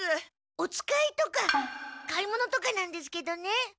お使いとか買い物とかなんですけどね。